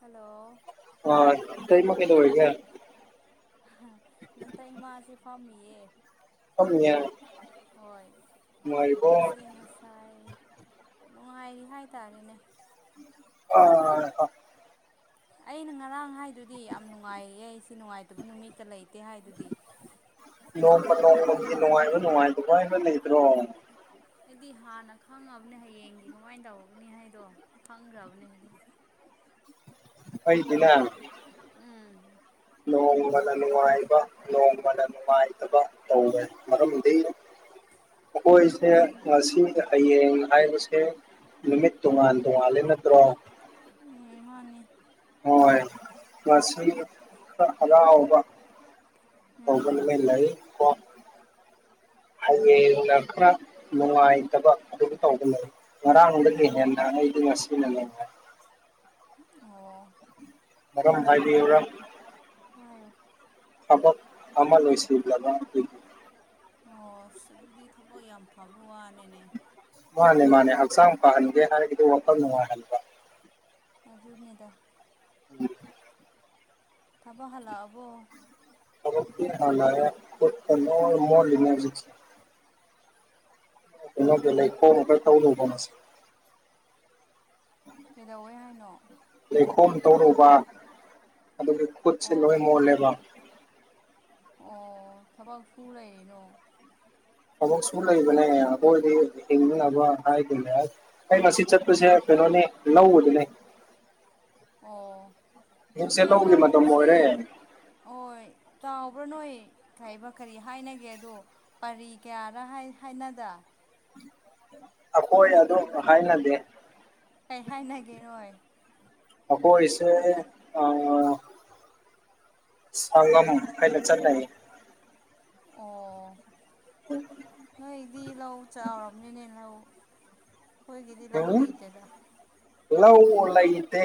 Hello ꯑ ꯇꯩꯃ ꯀꯩꯗꯧꯔꯤꯒꯦ? ꯅꯇꯩꯃꯥꯁꯦ ꯐꯝꯃꯤꯌꯦ꯫ ꯐꯝꯃꯤꯌꯦ ꯍꯣꯏ ꯅꯨꯡꯉꯥꯏꯔꯤꯕꯣ ꯑꯩꯁꯤ ꯉꯁꯥꯏ ꯅꯨꯡꯉꯥꯏꯔꯤ ꯍꯥꯏꯇꯥꯔꯦꯅꯦ꯫ ꯑꯥꯏ ꯍꯥ ꯑꯩꯅ ꯉꯔꯥꯡ ꯍꯥꯏꯗꯨꯗꯤ ꯌꯥꯝ ꯅꯨꯡꯉꯥꯏꯔꯤꯌꯦ ꯑꯩꯁꯦ ꯅꯨꯡꯉꯥꯏꯇꯕ ꯅꯨꯃꯤꯠꯀ ꯂꯩꯇꯦ ꯍꯥꯏꯗꯨꯗꯤ꯫ ꯅꯣꯡꯃ ꯅꯣꯡꯃꯒꯤ ꯅꯨꯡꯉꯥꯏꯕ ꯅꯨꯡꯉꯥꯏ ꯅꯨꯉꯥꯏꯕ ꯂꯩꯇ꯭ꯔꯣ? ꯑꯩꯗꯤ ꯍꯥꯟꯅ ꯈꯪꯉꯕꯅꯦ ꯍꯌꯦꯡꯒꯤ ꯀꯃꯥꯏꯅ ꯇꯧꯒꯅꯤ ꯍꯥꯏꯗꯣ ꯈꯪꯈ꯭ꯔꯕꯅꯦ ꯑꯩꯗꯤ꯫ ꯑꯩꯗꯤꯅꯦ ꯎꯝ ꯅꯣꯡꯃꯅ ꯅꯨꯡꯉꯥꯏꯕ ꯅꯣꯡꯃꯅ ꯅꯨꯡꯉꯥꯏꯇꯕ ꯇꯧꯔꯦ ꯃꯔꯝꯗꯤ ꯑꯈꯣꯏꯁꯦ ꯉꯁꯤ ꯍꯌꯦꯡ ꯍꯥꯏꯕꯁꯦ ꯅꯨꯃꯤꯠ ꯇꯣꯉꯥꯟ ꯇꯣꯡꯉꯥꯜꯂꯦ ꯅꯠꯇ꯭ꯔꯣ? ꯎꯝ ꯃꯥꯅꯤ ꯍꯣꯏ ꯉꯁꯤ ꯈꯔ ꯍꯔꯥꯎꯕ꯫ ꯎꯝ [unintelligible] ꯍꯌꯦꯡꯅ ꯈꯔ ꯅꯨꯡꯉꯥꯏꯇꯕ ꯑꯗꯨꯝ ꯇꯧꯕꯅꯤ꯫ ꯉꯔꯥꯡꯗꯒꯤ ꯍꯦꯟꯅ ꯑꯩꯗꯤ ꯉꯁꯤꯅ ꯅꯨꯉꯥꯏ꯫ ꯑꯣ ꯃꯔꯝ ꯍꯥꯏꯕꯤꯌꯨꯔ ꯍꯥꯌꯣ ꯊꯕꯛ ꯑꯃ ꯂꯣꯏꯁꯤꯜꯂꯕ ꯑꯗꯨꯒꯤ꯫ ꯑꯣꯁ ꯑꯗꯨꯗꯤ ꯊꯕꯛ ꯌꯥꯝ ꯐꯕ ꯋꯥꯅꯦꯅꯦ꯫ ꯃꯥꯅꯦ ꯃꯥꯅꯦ ꯍꯛꯆꯥꯡ ꯐꯍꯟꯒꯦ ꯍꯥꯏꯔꯒꯗꯤ ꯋꯥꯈꯜ ꯅꯨꯡꯉꯥꯏꯍꯟꯕ꯫ ꯑꯗꯨꯅꯦꯗ ꯊꯥꯕꯛ ꯍꯥꯜꯂꯛꯑꯕꯣ? ꯊꯕꯛꯇꯤ ꯍꯜꯂꯛꯑꯦ ꯈꯨꯠꯀ ꯂꯣꯏ ꯃꯣꯠꯂꯤ ꯍꯧꯖꯤꯛꯁꯦ ꯀꯩꯅꯪꯒꯤ ꯀꯩꯕ ꯂꯩꯈꯣꯝ ꯈꯔ ꯇꯧꯔꯨꯕ ꯉꯁꯤ ꯀꯩꯗꯧꯋꯦ ꯍꯥꯏꯅꯣ? ꯂꯩꯈꯣꯝ ꯇꯧꯔꯨꯕ ꯑꯗꯨꯒꯤ ꯈꯨꯠꯁꯦ ꯑꯣ ꯂꯣꯏ ꯃꯣꯠꯂꯦꯕ꯫ ꯑꯣ ꯊꯕꯛ ꯁꯨ ꯂꯩꯔꯤꯔꯣ? ꯊꯕꯛꯁꯨ ꯂꯩꯕꯅꯦ ꯑꯩꯈꯣꯏꯗꯤ ꯍꯤꯡꯅꯕ ꯍꯥꯏꯒꯅꯦ ꯑꯩ ꯃꯁꯤ ꯆꯠꯄꯁꯦ ꯀꯩꯅꯣꯅꯤ ꯂꯧꯎꯕꯅꯦ꯫ ꯑꯣ ꯖꯤꯛꯁꯦ ꯂꯧꯒꯤ ꯃꯇꯝ ꯑꯣꯏꯔꯦ꯫ ꯑꯣꯏ ꯇꯥꯎꯕ꯭ꯔꯥ ꯅꯣꯏ ꯀꯩꯕ ꯀꯔꯤ ꯍꯥꯏꯅꯒꯦ ꯑꯗꯣ ꯄꯔꯤ ꯀꯌꯥꯔ ꯍꯥꯏ ꯍꯥꯏꯅꯗ? ꯑꯩꯈꯣꯏ ꯑꯗꯨꯝ ꯍꯥꯏꯅꯗꯦ꯫ ꯀꯩ ꯍꯥꯏꯅꯒꯦ ꯅꯣꯏ? ꯑꯈꯣꯏꯁꯦ ꯑ ꯁꯪꯒꯝ ꯍꯥꯏꯅ ꯆꯠꯅꯩ꯫ ꯑꯣ ꯎꯝ ꯅꯣꯏꯗꯤ ꯂꯧ ꯆꯥꯎꯔꯕꯅꯤꯅꯦ ꯂꯧ ꯈꯣꯏꯒꯤꯗꯤ ꯂꯧ ꯎꯝ ꯂꯩꯇꯦꯗ꯫ ꯂꯧ ꯂꯩꯇꯦ꯫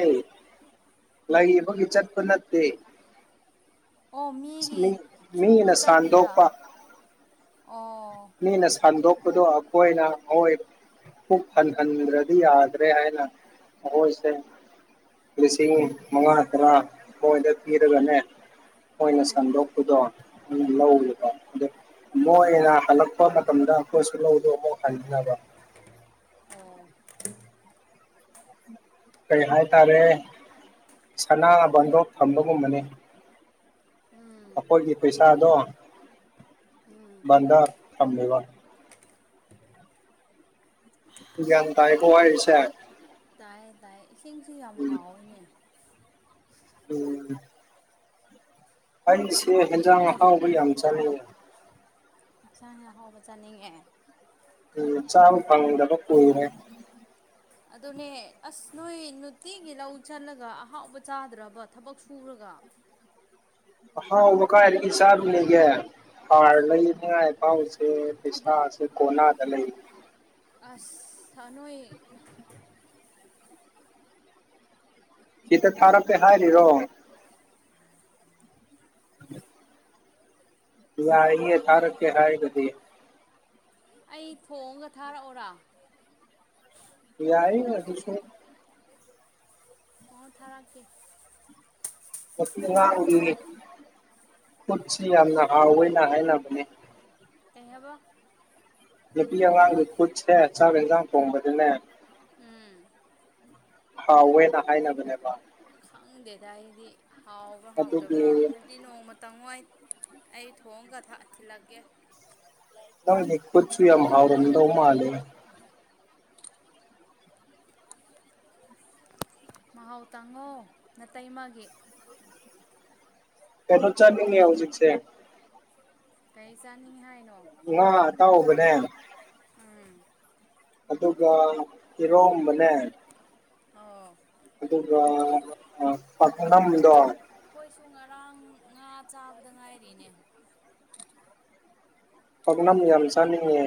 ꯂꯩꯕꯒꯤ ꯆꯠꯄ ꯅꯠꯇꯦ꯫ ꯑꯣ ꯃꯤꯒꯤ ꯃꯤ ꯁꯨꯕ ꯃꯤꯅ ꯆꯠꯂꯤꯔ ꯁꯥꯟꯗꯣꯛꯄ ꯑꯣ ꯃꯤꯅ ꯁꯟꯗꯣꯛꯄꯗꯣ ꯑꯈꯣꯏꯅ ꯍꯣꯏ ꯄꯨꯛ ꯊꯟꯍꯟꯗ꯭ꯔꯗꯤ ꯌꯥꯗ꯭ꯔꯦ ꯍꯥꯏꯅ ꯃꯈꯣꯏꯁꯦ ꯂꯤꯁꯤꯡ ꯃꯉꯥ ꯇꯔꯥ ꯃꯣꯏꯗ ꯄꯤꯔꯒꯅꯦ ꯃꯣꯏꯅ ꯎꯝ ꯁꯟꯗꯣꯛꯄꯗꯣ ꯑꯗꯨ ꯂꯧꯋꯦꯀꯣ ꯑ ꯃꯣꯏꯅ ꯍꯜꯂꯛꯄ ꯃꯇꯝꯗ ꯑꯩꯈꯣꯏꯁꯨ ꯂꯧꯗꯣ ꯑꯃꯨꯛ ꯍꯟꯅꯕ ꯑꯣ ꯀꯩ ꯍꯥꯏꯇꯥꯔꯦ ꯁꯅꯥ ꯕꯟꯗꯣ ꯊꯝꯕꯒꯨꯝꯕꯅꯤ ꯎꯝ ꯑꯩꯈꯣꯏꯒꯤ ꯄꯩꯁꯥꯗꯣ ꯎꯝ ꯕꯟꯗ ꯊꯝꯃꯦꯕ ꯒ꯭ꯌꯥꯟ ꯇꯥꯏꯀꯣ ꯍꯥꯏꯔꯤꯁꯦ ꯇꯥꯏ ꯇꯥꯏ ꯏꯁꯤꯡꯁꯨ ꯌꯥꯝ ꯎꯝ ꯍꯥꯎꯋꯤꯅꯦ ꯎꯝ ꯑꯩꯁꯦ ꯍꯦꯟꯖꯥꯡ ꯑꯍꯥꯎꯕ ꯌꯥꯝ ꯆꯂꯤꯅꯦ ꯏꯟꯁꯥꯡ ꯑ ꯍꯥꯎꯕ ꯆꯥꯅꯤꯡꯉꯦ ꯎꯝ ꯆꯥꯕ ꯐꯪꯗꯕ ꯀꯨꯏꯔꯦ ꯑꯗꯨꯅꯦ ꯑꯁ ꯅꯣꯏ ꯅꯨꯡꯇꯤꯒꯤ ꯂꯧ ꯆꯠꯂꯒ ꯑꯍꯥꯎꯕ ꯆꯥꯗ꯭ꯔꯕ ꯊꯕꯛ ꯁꯨꯔꯒ ꯑꯍꯥꯎꯕ ꯀꯥꯏꯗꯒꯤ ꯆꯥꯕꯅꯤꯒꯦ ꯍꯥꯔ ꯂꯩꯅꯤꯉꯥꯏ ꯐꯥꯎ ꯊꯕꯛ ꯄꯤꯁꯥꯁꯦ ꯀꯣꯅꯥꯗ ꯂꯩ ꯑꯁ ꯊꯅꯣꯏ ꯈꯤꯇ ꯊꯔꯛ ꯀꯦ ꯍꯥꯏꯔꯤ ꯔꯣ [inaudible] ꯌꯥꯏꯌꯦ ꯊꯥꯔꯛꯀꯦ ꯍꯥꯏꯒꯗꯤ ꯑꯩ ꯊꯣꯡꯉꯒ ꯊꯥꯔꯛꯑꯣꯔꯥ ꯌꯥꯏ ꯑꯗꯨꯁꯨ ꯑꯣ ꯊꯔꯛꯀꯦ ꯅꯨꯄꯤ ꯑꯉꯥꯡꯒꯤ ꯈꯨꯠꯁꯤ ꯌꯥꯝꯅ ꯍꯥꯎꯋꯦꯅ ꯍꯥꯏꯅꯕꯅꯦ ꯀꯩ ꯍꯥꯏꯕ ꯅꯨꯄꯤ ꯑꯉꯥꯡꯒꯤ ꯈꯨꯠꯁꯦ ꯆꯥꯛ ꯏꯟꯖꯥꯡ ꯊꯣꯡꯕꯗꯅꯦ ꯎꯝ ꯍꯥꯎꯋꯦꯅ ꯍꯥꯏꯅꯕꯅꯦꯕ ꯈꯪꯗꯦꯗ ꯑꯩꯗꯤ ꯍꯥꯎꯕ꯭ꯔꯥ ꯑꯗꯨꯒꯤ ꯍꯥꯎꯇꯕ꯭ꯔꯥ ꯍꯥꯏꯕ ꯑꯗꯨꯗꯤ ꯅꯣꯡꯃꯇꯪ ꯍꯣꯏ ꯑꯩ ꯊꯣꯡꯉꯒ ꯊꯤꯜꯂꯛꯀꯦ ꯂꯥꯏꯛ ꯅꯪꯒꯤ ꯔꯤꯂꯤꯚꯦꯟꯠ ꯈꯨꯠꯁꯨ ꯌꯥꯝ ꯑꯦꯛꯁꯄꯤꯔꯤꯌꯦꯟꯁ ꯍꯥꯎꯔꯝꯗꯧ ꯑꯦꯟ ꯃꯥꯜꯂꯦ ꯄ꯭ꯔꯣꯐꯦꯁꯟ ꯃꯍꯥꯎ ꯇꯪꯉꯣ ꯅꯥꯇꯩꯃꯥꯒꯤ ꯀꯩꯅꯣ ꯆꯥꯅꯤꯡꯉꯦ ꯍꯧꯖꯤꯛꯁꯦ ꯀꯔꯤ ꯆꯥꯅꯤꯡꯉꯤ ꯍꯥꯏꯅꯣ ꯉꯥ ꯑꯇꯥꯎꯥꯕꯅꯦ ꯎꯝ ꯑꯗꯨꯒ ꯏꯔꯣꯝꯕꯅꯦ ꯑꯣ ꯑꯗꯨꯒ ꯑ ꯄꯥꯛꯅꯝꯗꯣ ꯑꯩꯈꯣꯏꯁꯨ ꯉꯔꯥꯡ ꯉꯥ ꯆꯥꯕꯗ ꯉꯥꯏꯔꯤꯅꯦ ꯄꯛꯅꯝ ꯌꯥꯝ ꯆꯥꯅꯤꯡꯉꯦ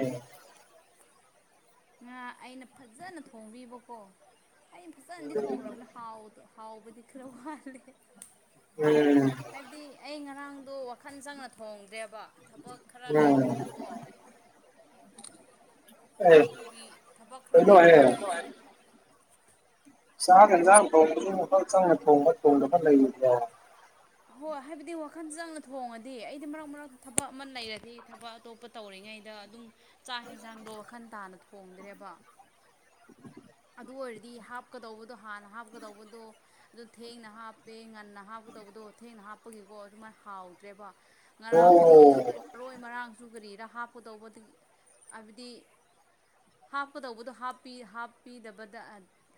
ꯉꯥ ꯑꯩꯅ ꯐꯖꯅ ꯊꯣꯡꯕꯤꯕꯀꯣ ꯑꯩꯅ ꯐꯖꯅꯗꯤ ꯊꯣꯡꯈ꯭ꯔꯕꯅꯦ ꯍꯥꯎ ꯍꯥꯎꯕꯗꯤ ꯈꯔ ꯋꯥꯠꯂꯦ ꯎꯝ ꯍꯥꯏꯕꯗꯤ ꯑꯩ ꯉꯔꯥꯡꯗꯣ ꯋꯥꯈꯜ ꯆꯪꯅ ꯊꯣꯡꯗ꯭ꯔꯦꯕ ꯊꯕꯛ ꯈꯔ ꯎꯝ ꯎꯝ ꯂꯩꯕꯗꯨꯗꯀꯣ ꯑꯦ ꯑꯗꯨꯒꯤ ꯊꯕꯛ ꯈꯔ ꯀꯩꯅꯣꯍꯦ ꯂꯩꯕꯗꯨꯗ ꯆꯥꯛ ꯏꯟꯖꯥꯡ ꯊꯣꯡꯕꯗꯨ ꯋꯈꯜ ꯆꯪꯅ ꯊꯣꯡꯕ ꯊꯣꯡꯗꯕ ꯂꯩꯕ꯭ꯔꯣ ꯍꯣꯏ ꯍꯥꯏꯕꯗꯤ ꯋꯥꯈꯜ ꯆꯪꯅ ꯊꯣꯡꯉꯗꯤ ꯑꯩꯗꯤ ꯃꯔꯛ ꯃꯔꯛꯇ ꯊꯕꯛ ꯑꯃ ꯂꯩꯔꯗꯤ ꯊꯕꯛ ꯑꯇꯣꯞꯄ ꯇꯧꯔꯤꯉꯩꯗ ꯑꯗꯨꯝ ꯆꯥꯛ ꯌꯦꯟꯁꯥꯡꯗꯣ ꯋꯥꯈꯟ ꯇꯥꯅ ꯊꯣꯡꯗ꯭ꯔꯦꯕ ꯑꯗꯨ ꯑꯣꯏꯔꯗꯤ ꯍꯥꯞꯀꯗꯧꯕꯗꯣ ꯍꯥꯟꯅ ꯍꯥꯞꯀꯗꯧꯕꯗꯣ ꯑꯗꯨ ꯊꯦꯡꯅ ꯍꯥꯞꯄꯦ ꯉꯟꯅ ꯍꯥꯞꯀꯗꯧꯕꯗꯣ ꯊꯦꯡꯅ ꯍꯥꯞꯄꯒꯤꯀꯣ ꯑꯗꯨꯃꯥꯏꯅ ꯍꯥꯎꯗ꯭ꯔꯦꯕ ꯑꯣ ꯉꯔꯥꯡꯗꯤ ꯃꯔꯣꯏ ꯃꯔꯥꯡꯁꯨ ꯀꯔꯤꯔ ꯍꯥꯞꯀꯗꯧꯕꯗꯤ ꯍꯥꯏꯕꯗꯤ꯫ ꯍꯥꯞꯀꯗꯧꯕꯗꯣ ꯍꯥꯞꯄꯤ ꯍꯥꯞ꯫ ꯄꯤꯗꯕꯗ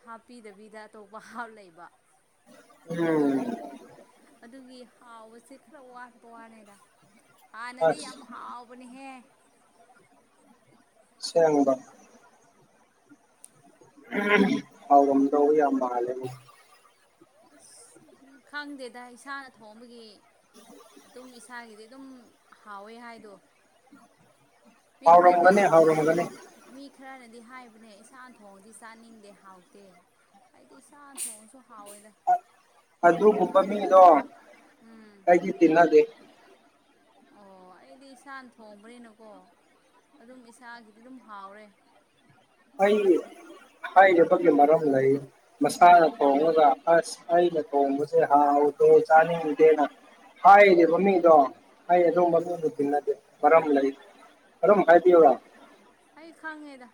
ꯍꯥꯞꯄꯤꯗꯕꯤꯗ ꯑꯇꯣꯞꯄ ꯍꯥꯞ ꯂꯩꯕ꯫ ꯎꯝ꯫ ꯑꯗꯨꯒꯤ ꯍꯥꯎꯕꯁꯦ ꯈꯔ ꯋꯥꯠꯄ ꯋꯥꯅꯦꯗ ꯍꯥꯟꯅꯗꯤ ꯌꯥꯝ ꯑꯁ ꯍꯥꯎꯕ꯫ ꯍꯥꯎꯕꯅꯤꯍꯦ꯫ ꯑꯁꯦꯡꯕ꯫ ꯑꯍꯝ ꯍꯥꯎꯔꯝꯗꯧꯕ ꯌꯥꯝ ꯃꯥꯜꯂꯦ꯫ ꯑꯁ ꯈꯪꯗꯦꯗ ꯏꯁꯥꯅ ꯊꯣꯡꯕꯒꯤ꯫ ꯑꯗꯨꯝ ꯏꯁꯥꯒꯤꯗꯤ ꯑꯗꯨꯝ ꯍꯥꯎꯋꯦ ꯍꯥꯏꯗꯣ꯫ ꯃꯤ ꯈ꯭ꯔꯗꯤ꯫ ꯍꯥꯎꯔꯝꯒꯅꯤ ꯍꯥꯎꯔꯝꯒꯅꯤ ꯃꯤ ꯈꯔꯅꯗꯤ ꯍꯥꯏꯕꯅꯦ ꯏꯁꯥꯅ ꯊꯣꯡꯗꯤ ꯆꯥꯅꯤꯡꯗꯦ ꯍꯥꯎꯇꯦ꯫ ꯑꯩꯗꯤ ꯏꯁꯥꯅ ꯊꯣꯡꯉꯁꯨ ꯍꯥꯎꯋꯦꯗ꯫ ꯑꯗꯨꯒꯨꯝꯕ ꯃꯤꯗꯣ ꯎꯝ ꯑꯩꯗꯤ ꯇꯤꯅꯗꯦ꯫ ꯑꯣ ꯑꯩꯗꯤ ꯏꯁꯥꯅ ꯊꯣꯡꯕꯅꯤꯅꯀꯣ ꯑꯗꯨꯝ ꯏꯁꯥꯒꯤꯗꯤ ꯑꯗꯨꯝ ꯍꯥꯎꯔꯦ꯫ ꯑꯩꯒꯤ ꯍꯥꯏꯔꯤꯕꯒꯤ ꯃꯔꯝ ꯂꯩ ꯃꯁꯥꯅ ꯎꯝ ꯊꯣꯡꯉꯒ꯫ ꯑꯁ ꯑꯩꯅ ꯊꯣꯡꯕꯁꯦ ꯍꯥꯥꯎꯇꯦ ꯆꯅꯤꯡꯗꯦꯅ꯫ ꯍꯥꯏꯔꯤꯕ ꯃꯤꯗꯣ ꯑꯩ ꯑꯗꯨꯒꯨꯕ ꯎꯝ ꯃꯃꯤꯗꯣ ꯇꯤꯟꯅꯗꯦ ꯃꯔꯝ ꯂꯩ꯫ ꯃꯔꯝ ꯍꯥꯏꯕꯤꯌꯨꯔꯣ꯫ ꯑꯩ ꯈꯥꯡꯉꯦꯗ꯫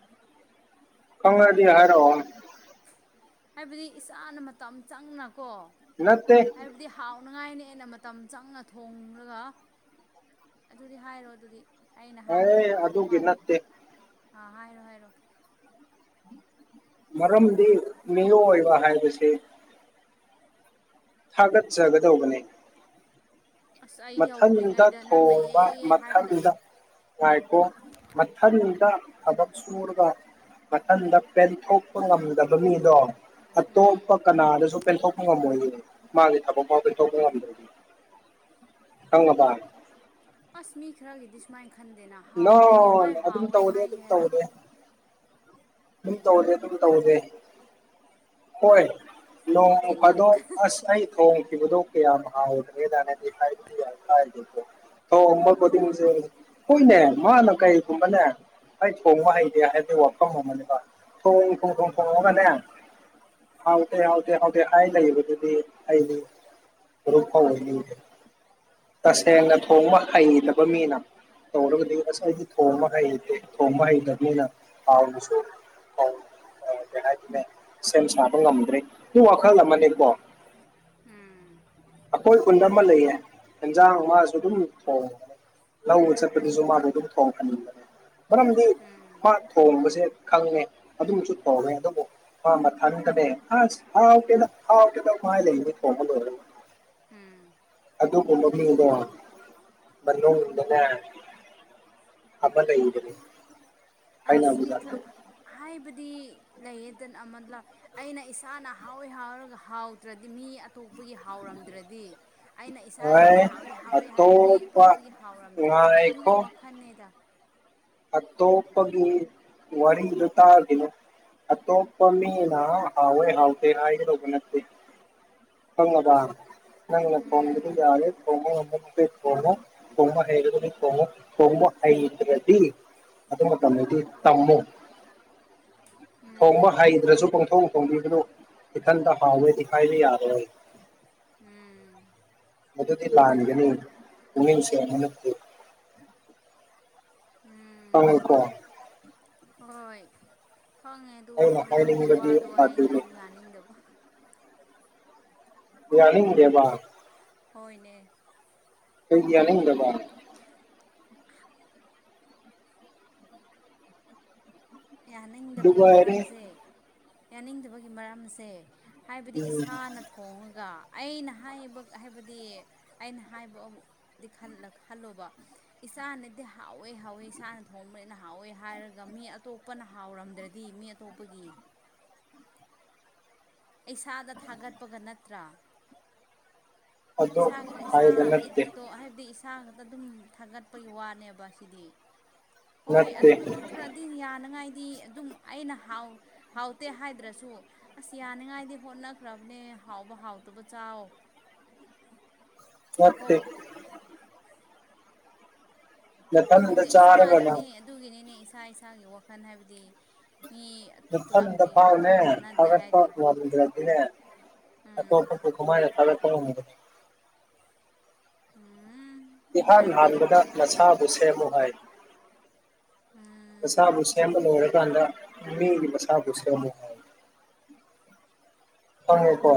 ꯈꯪꯉꯗꯤ ꯍꯥꯏꯔꯣ꯫ ꯍꯥꯏꯕꯗꯤ ꯏꯁꯥꯅ ꯃꯇꯝ ꯆꯪꯅꯀꯣ꯫ ꯅꯠꯇꯦ꯫ ꯍꯥꯏꯕꯗꯤ ꯍꯥꯎꯅꯉꯥꯏꯅ ꯃꯇꯝ ꯆꯪꯅ ꯊꯣꯡꯂꯒ꯫ ꯑꯗꯨꯗꯤ ꯍꯥꯏꯔꯣ ꯑꯗꯨꯗꯤ ꯑꯩꯅ ꯍꯥꯏꯕ ꯑꯦ ꯇꯣꯡꯉꯥꯟꯗꯧ ꯑꯗꯨꯒꯤ ꯃꯥꯜꯂꯦ꯫ ꯅꯠꯇꯦ ꯑꯥ ꯍꯥꯏꯔꯣ ꯍꯥꯏꯔꯣ꯫ ꯃꯔꯝꯗꯤ ꯃꯤꯑꯣꯏꯕ ꯍꯥꯏꯕꯁꯦ꯫ ꯊꯥꯒꯠꯆꯒꯗꯧꯕꯅꯦ꯫ ꯑꯁ ꯑꯩ ꯃꯊꯟꯗ ꯌꯧꯗ꯭ꯔꯤꯉꯩꯗ ꯅꯪꯅ ꯑꯦ ꯊꯣꯡꯕ ꯑꯦ ꯍꯥꯏꯕꯗ ꯃꯊꯟꯗ꯫ ꯉꯥꯏꯈꯣ ꯃꯊꯟꯗ ꯊꯕꯛ ꯁꯨꯔꯒ꯫ ꯃꯊꯟꯗ ꯄꯦꯟꯊꯣꯛꯄ ꯉꯝꯗꯕ ꯃꯤꯗꯣ꯫ ꯎꯝ ꯑꯇꯣꯞꯄ ꯀꯅꯥꯗꯁꯨ ꯄꯦꯟꯊꯣꯛꯄ ꯉꯝꯃꯣꯏꯌꯦ ꯃꯥꯒꯤ ꯊꯕꯛ ꯐꯥꯎ ꯄꯦꯟꯊꯣꯛꯄ ꯉꯝꯗꯔꯗꯤ꯫ ꯈꯪꯉꯕ꯫ ꯑꯁ ꯃꯤ ꯈꯔꯒꯤꯗꯤ ꯁꯨꯃꯥꯏꯅ ꯈꯟꯗꯦꯅ ꯅꯣ ꯍꯥꯎꯇ꯭ꯔꯗꯤ ꯀꯃꯥꯏꯅ ꯑꯗꯨꯝ ꯍꯥꯎꯋꯦ ꯇꯧꯗꯦ ꯍꯥꯏꯒꯦ ꯑꯗꯨꯝ ꯍꯥꯏꯔ꯫ ꯇꯧꯗꯦ ꯑꯗꯨꯝ ꯇꯧꯗꯦ ꯇꯨꯡ ꯇꯧꯗꯦ ꯍꯣꯏ꯫ ꯅꯣꯡ ꯆꯤꯟ ꯌꯥꯝ ꯐꯥꯗꯣꯛ ꯀꯜꯂꯦ ꯑꯁ ꯑꯩ꯫ ꯊꯣꯡꯈꯤꯕꯗꯣ ꯀꯌꯥꯝ ꯍꯥꯎꯌꯦꯅ ꯍꯥꯏꯕꯗꯤ ꯌꯥꯝ ꯀꯥꯏꯔꯣꯏꯌꯦ꯫ ꯊꯣꯡꯕ ꯈꯨꯗꯤꯡꯁꯦ ꯍꯣꯏꯅꯦ ꯃꯥꯅ ꯀꯩꯒꯨꯝꯕꯅꯦ꯫ ꯑꯩꯩ ꯊꯣꯡꯉꯣ ꯍꯩꯇꯦ ꯍꯥꯏꯗꯤ ꯋꯥꯐꯝ ꯑꯃꯅꯦꯕꯥ ꯊꯣꯡ ꯊꯣꯡ ꯊꯣꯡ ꯊꯣꯡꯉꯒꯅꯦ꯫ ꯍꯥꯎꯇꯦ ꯍꯥꯎꯇ‌ꯦ ꯍꯥꯎꯇ‌ꯦ ꯍꯥꯏ ꯂꯩꯌꯦꯕꯗꯨꯗꯤ ꯑꯩꯗꯤ꯫ ꯃꯔꯨꯝꯐꯥꯎꯗꯤ ꯇꯁꯦꯡꯅ ꯊꯣꯡꯕ ꯍꯩꯇꯕ ꯃꯤꯅ꯫ ꯇꯧꯔꯒꯗꯤ ꯑꯁ ꯍꯥꯏꯇ‌ꯦ ꯊꯣꯡꯕ ꯍꯩꯇꯦ ꯊꯣꯡꯕ ꯍꯩꯇꯕꯅꯤꯅ ꯍꯥꯎꯕꯁꯨ꯫ ꯍꯥꯎꯏ ꯍꯥꯏꯗꯨꯅꯦ ꯁꯦꯝ ꯁꯥꯕ ꯉꯝꯗ꯭ꯔꯦ ꯑꯗꯨ ꯋꯥꯈꯜ ꯑꯃꯅꯦꯀꯣ꯫ ꯎꯝ꯫ ꯑꯩꯈꯣꯏ ꯈꯨꯟꯗ ꯑꯃ ꯂꯩꯌꯦ ꯌꯦꯟꯖꯥꯡ ꯃꯥꯁꯨ ꯑꯗꯨꯝ ꯊꯣꯡꯉꯦ꯫ ꯂꯧꯕ ꯆꯠꯄꯗꯨꯁꯨ ꯃꯥꯗꯣ ꯑꯗꯨꯝ ꯊꯣꯡꯍꯟꯕꯅꯤꯅꯦ ꯃꯔꯝꯗꯤ꯫ ꯎꯝ ꯃꯥ ꯊꯣꯡꯕꯁꯦ ꯈꯪꯉꯦ ꯑꯗꯨꯝꯁꯨ ꯊꯣꯡꯉꯦ ꯑꯗꯨꯕꯨ꯫ ꯃꯥ ꯃꯊꯟꯗꯅꯦ ꯑꯁ ꯍꯥꯎꯇꯦꯗ ꯍꯥꯏ ꯂꯩꯕ ꯃꯥꯗꯣ꯫ ꯎꯝ꯫ ꯑꯗꯨꯒꯨꯝꯕ ꯃꯤꯗꯣ ꯃꯅꯨꯡꯗꯅꯦ꯫ ꯑꯃꯥ ꯂꯩꯕꯅꯤ ꯑꯁ ꯃꯤ ꯈꯔ ꯍꯥꯏꯕꯗꯤ ꯂꯩꯌꯦꯗꯅ ꯑꯃꯥ ꯂꯥ ꯑꯩꯅ ꯏꯁꯥꯅ ꯍꯥꯎꯏ ꯍꯥꯎꯔꯒ ꯍꯥꯎꯇ꯭ꯔꯗꯤ ꯃꯤ ꯑꯇꯣꯞꯄꯒꯤ ꯍꯥꯎꯔꯝꯗ꯭ꯔꯗꯤ ꯑꯩꯅ ꯏꯁꯥꯅꯗꯤ ꯍꯣꯏ ꯍꯥꯎꯔꯦ ꯍꯥꯎꯔꯦ ꯍꯥꯏꯔ ꯃꯤ ꯑꯇꯣꯞꯄ ꯑꯇꯣꯞꯄꯒꯤ ꯍꯥꯎꯔꯝꯗ꯭ꯔꯗꯤ ꯑꯗꯨꯒꯤ ꯉꯥꯏꯈꯣ ꯋꯥꯈꯜꯅꯦꯗ ꯑꯇꯣꯞꯄꯒꯤ ꯋꯥꯔꯤꯗꯨ ꯇꯥꯒꯤꯅꯨ ꯑꯇꯣꯞꯄ ꯃꯤꯅ ꯍꯥꯎꯏ ꯍꯥꯎꯇꯦ ꯍꯥꯏꯒꯗꯧꯕ ꯅꯠꯇꯦ ꯈꯪꯉꯕ ꯅꯪꯅ ꯊꯣꯡꯕꯗꯣ ꯎꯝ ꯌꯥꯔꯦ ꯊꯣꯡꯉꯣ ꯑꯃꯨꯛꯇꯤ ꯊꯣꯡꯉꯣ ꯊꯣꯡꯕ ꯍꯧꯔꯗꯤ ꯊꯣꯡꯉꯣ ꯊꯣꯡꯕ ꯍꯩꯇ꯭ꯔꯗꯤ ꯑꯗꯨ ꯃꯇꯝꯗꯨꯗꯤ ꯇꯝꯃꯨ ꯎꯝ ꯊꯣꯡꯕ ꯍꯩꯗ꯭ꯔꯁꯨ ꯄꯪꯊꯣꯡ ꯍꯣꯡꯕꯤꯒꯅꯨ ꯏꯊꯟꯇ ꯍꯥꯎꯋꯦꯗꯤ ꯍꯥꯏꯕ ꯌꯥꯔꯣꯏ ꯎꯝ ꯃꯗꯨꯗꯤ ꯂꯥꯟꯒꯅꯤ ꯄꯨꯛꯅꯤꯡ ꯁꯦꯡꯕꯅ ꯐꯩ ꯎꯝ ꯈꯪꯉꯦꯀꯣ ꯍꯣꯏ ꯈꯪꯉꯦ ꯑꯗꯨ ꯑꯩꯅ ꯑꯣꯏꯁꯨ ꯅꯪꯒꯤ ꯍꯥꯏꯅꯤꯡꯕꯗꯤ ꯋꯥꯗꯣ ꯑꯗꯨꯅꯤ ꯑꯩꯅꯁꯨ ꯌꯥꯅꯤꯡꯗꯕ ꯌꯥꯅꯤꯡꯗꯦꯕ ꯍꯣꯏꯅꯦ ꯀꯩꯒꯤ ꯌꯥꯅꯤꯡꯗꯕ ꯌꯥꯅꯤꯡꯗꯕꯒꯤ ꯂꯨꯒꯥꯏꯔꯦ ꯃꯔꯝꯁꯦ ꯌꯥꯅꯤꯡꯗꯕꯒꯤ ꯃꯔꯝꯁꯦ ꯍꯥꯏꯕꯗꯤ ꯎꯝ ꯏꯁꯥꯅ ꯊꯣꯡꯉꯒ ꯑꯩꯅ ꯍꯥꯏꯕ ꯍꯥꯏꯕꯗꯤ ꯑꯩꯅ ꯍꯥꯏꯕ ꯑ ꯗꯤ ꯈꯜꯂ ꯈꯜꯂꯣꯕ ꯏꯁꯥꯅꯗꯤ ꯍꯥꯎꯋꯦ ꯍꯥꯎꯋꯦ ꯏꯁꯥꯅ ꯊꯣꯡꯕꯅꯤꯅ ꯍꯥꯎꯋꯦ ꯍꯥꯏꯔꯒ ꯃꯤ ꯑꯇꯣꯞ ꯄꯅ ꯍꯥꯎꯔꯝꯗ꯭ꯔꯗꯤ ꯃꯤ ꯑꯇꯣꯞꯄꯒꯤ ꯏꯁꯥꯗ ꯊꯥꯒꯠꯄꯒ ꯅꯠꯇ꯭ꯔꯥ ꯑꯗꯨ ꯏꯁꯥꯒ ꯑꯩꯁꯥ ꯍꯥꯏꯕ ꯑꯩ ꯅꯠꯇꯦ ꯏꯇꯣ ꯍꯥꯏꯕꯗꯤ ꯏꯁꯥ ꯈꯛꯇ ꯑꯗꯨꯝ ꯊꯥꯒꯠꯄꯒꯤ ꯋꯥꯅꯦꯕ ꯁꯤꯗꯤ ꯍꯣꯏ ꯅꯠꯇꯦ ꯑꯗꯨꯝ ꯈꯔ ꯗꯤ ꯌꯥꯅꯉꯥꯏꯗꯤ ꯑꯗꯨꯝ ꯑꯩꯅ ꯍꯥꯎ ꯍꯥꯎꯇꯦ ꯍꯥꯏꯗ꯭ꯔꯁꯨ ꯑꯁ ꯌꯥꯅꯤꯡꯉꯥꯏꯗꯤ ꯍꯣꯠꯅꯈ꯭ꯔꯕꯅꯦ ꯍꯥꯎꯕ ꯍꯥꯎꯇꯕ ꯆꯥꯎ ꯀꯣ ꯅꯠꯇꯦ ꯅꯊꯟꯗ ꯈꯪꯗꯦ ꯏꯁꯥ ꯆꯥꯔꯒꯅ ꯑꯗꯨꯅꯤ ꯑꯗꯨꯒꯤꯅꯤꯅꯦ ꯏꯁꯥ ꯏꯁꯥꯒꯤ ꯋꯥꯈꯜ ꯍꯥꯏꯕꯗꯤ ꯃꯤ ꯅꯊꯟꯗ ꯄꯨꯂꯞꯀꯤ ꯐꯥꯎꯅꯦ ꯋꯥꯈꯜ ꯃꯥꯟꯅꯗꯦ ꯐꯥꯒꯠꯄ ꯍꯥꯏꯗꯣ ꯉꯝꯗ꯭ꯔꯗꯤꯅꯦ ꯎꯝ ꯑꯇꯣꯄꯕꯨ ꯀꯃꯥꯏꯅ ꯊꯥꯒꯠꯄ ꯉꯝꯒꯅꯤ ꯎꯝ ꯏꯍꯥꯟ ꯑꯣꯏꯔꯝꯗꯦꯗ ꯍꯥꯟꯕꯗ ꯅꯁꯥꯕꯨ ꯁꯦꯝꯃꯨ ꯍꯥꯏ ꯎꯝ ꯅꯁꯥꯕꯨ ꯁꯦꯝꯕ ꯂꯣꯏꯔꯀꯥꯟꯗ ꯃꯤꯒꯤ ꯃꯁꯥꯕꯨ ꯁꯦꯝꯃꯨ ꯍꯥꯏ ꯈꯪꯉꯦꯀꯣ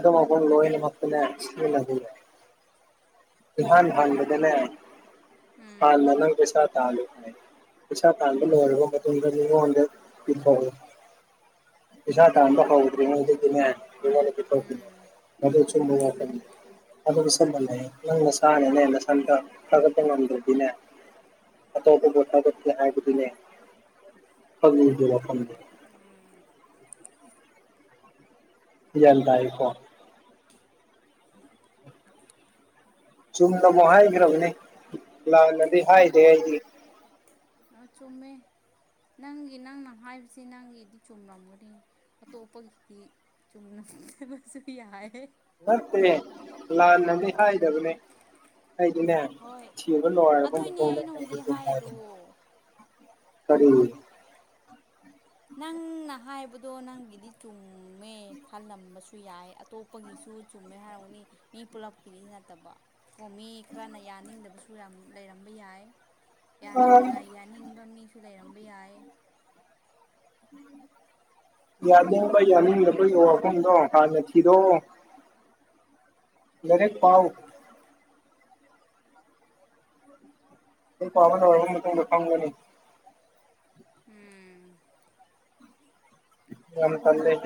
ꯑꯗꯨꯝ ꯑꯍꯨꯝ ꯂꯣꯏꯅꯃꯛꯇꯅꯦ ꯁꯤꯖꯤꯟꯅꯗꯣꯏꯕ ꯏꯍꯥꯟ ꯍꯥꯟꯕꯗꯅꯦ ꯎꯝ ꯈꯜꯂ ꯅꯪ ꯄꯩꯁꯥ ꯇꯥꯂꯤꯕꯅꯤ ꯄꯩꯁꯥ ꯇꯥꯟꯕ ꯂꯣꯏꯔꯕ ꯃꯇꯨꯡꯗ ꯃꯤꯉꯣꯟꯗ ꯄꯤꯊꯣꯛꯑꯣ ꯄꯩꯁꯥ ꯇꯥꯟꯕ ꯎꯝ ꯍꯧꯗ꯭ꯔꯤꯉꯩꯗꯗꯤꯅꯦ ꯃꯤꯉꯣꯟꯗ ꯄꯤꯊꯣꯛꯈꯤꯅꯣꯕ ꯎꯝ ꯃꯗꯨ ꯆꯨꯝꯕ ꯋꯥꯐꯝꯅꯤ ꯑꯗꯨ ꯂꯤꯛꯁꯟꯃꯜꯂꯦ ꯅꯪ ꯅꯁꯥꯥꯅꯥꯅꯦ ꯅꯊꯟꯇ ꯊꯥꯒꯠ ꯉꯝꯗ꯭ꯔꯗꯤꯅꯦ ꯑꯇꯣꯞꯄꯕꯨ ꯊꯥꯒꯠꯀꯦ ꯍꯥꯏꯕꯗꯨꯅꯦ ꯐꯪꯗꯦ ꯋꯥꯈꯟꯗꯣ ꯎꯝ ꯒ꯭ꯌꯥꯟ ꯇꯥꯏꯀꯣ ꯆꯨꯝꯅ ꯑꯃꯨꯛ ꯍꯥꯏꯈ꯭ꯔꯕꯅꯦ ꯆꯨꯝꯃꯦ ꯂꯥꯟꯅꯗꯤ ꯆꯨꯝꯃꯦ ꯍꯥꯏꯗꯦ ꯑꯩꯗꯤ ꯑ ꯆꯨꯝꯃꯦ ꯅꯪꯒꯤ ꯅꯪꯅ ꯍꯥꯏꯕꯁꯤ ꯅꯪꯒꯤꯗꯤ ꯆꯨꯝꯔꯝꯒꯅꯤ ꯑꯇꯣꯞꯄꯒꯤꯗꯤ ꯆꯨꯝꯅꯗꯕꯁꯨ ꯌꯥꯏꯑꯦ ꯅꯠꯇꯦ ꯂꯥꯟꯅꯗꯤ ꯍꯥꯏꯗꯕꯅꯦ ꯑꯩꯗꯤꯅꯦ ꯍꯣꯏ ꯁꯤꯕ ꯂꯣꯏꯔꯕ ꯑꯗꯨꯏꯅꯦ ꯃꯇꯨꯡꯗ ꯑꯩꯅ ꯑꯩꯗꯤ ꯍꯧꯖꯤꯛ ꯗꯨꯝ ꯍꯥꯏꯗꯣ ꯍꯥꯏꯕꯅꯤ ꯀꯔꯤ ꯅꯪꯅ ꯍꯥꯏꯕꯗꯣ ꯅꯪꯒꯤꯗꯤ ꯆꯨꯝꯃꯦ ꯈꯜꯂꯝꯕꯁꯨ ꯁꯨ ꯌꯥꯏ ꯑꯇꯣꯞꯄꯒꯤꯁꯨ ꯆꯨꯝꯃꯦ ꯍꯥꯏꯔꯥꯎꯅꯤ ꯃꯤ ꯄꯨꯂꯞꯀꯤꯔꯤ ꯅꯠꯇꯕ ꯀꯣꯃꯤ ꯈꯔꯅ ꯌꯥꯅꯤꯡꯗꯕꯁꯨ ꯌꯥꯝ ꯂꯩꯔꯝꯕ ꯌꯥꯏ ꯌꯥꯅꯤꯡ ꯑꯥ ꯌꯅꯤꯡꯕ ꯃꯤꯁꯨ ꯂꯩꯔꯝꯕ ꯌꯥꯏ ꯌꯥꯅꯤꯡꯕ ꯌꯥꯅꯤꯡꯗꯄꯒꯤ ꯋꯥꯐꯝꯗꯣ ꯍꯥꯟꯅ ꯊꯤꯗꫭꯛꯑꯣ ꯂꯥꯏꯔꯤꯛ ꯄꯥꯎ ꯎꯝ ꯀꯅ ꯀ ꯐꯪꯒꯅꯤ [unintelligible] ꯎꯝ ꯌꯥꯝ ꯇꯜꯂ‌ꯦ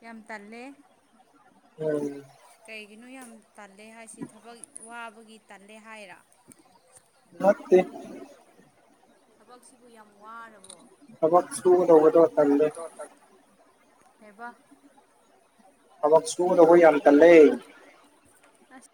ꯌꯥꯝ ꯇꯜꯂꯦ ꯎꯝ ꯀꯩꯒꯤꯅꯣ ꯌꯥꯝ ꯇꯜꯂꯦ ꯍꯥꯏꯁꯤ ꯊꯕꯛ ꯋꯥꯕꯒꯤ ꯇꯜꯂꯦ ꯍꯥꯏꯔ ꯅꯠꯇ‌ꯦ ꯊꯕꯛꯁꯤꯕꯨ ꯌꯥꯝ ꯋꯥꯔꯕꯣ ꯊꯕꯛ ꯁꯨꯒꯗꯧꯕꯗꫭ ꯊꯜꯂ‌‌ꯦ ꯍꯕ [unintelligible] ꯊꯕꯛ ꯁꯨꯒꯗꯧꯕ ꯌꯥꯝ ꯇꯜꯂ‌ꯦ ꯑꯁ